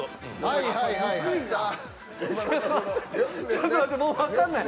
ちょっと待ってもうわかんない。